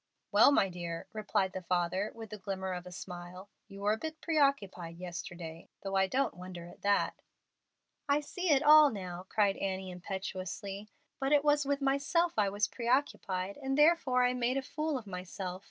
"Well, my dear," replied the father, with the glimmer of a smile, "you were a bit preoccupied yesterday; though I don't wonder at that." "I see it all now," cried Annie, impetuously. "But it was with myself I was preoccupied, and therefore I made a fool of myself.